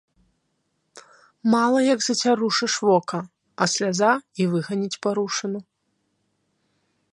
Мала як зацярушыш вока, а сляза і выганіць парушыну.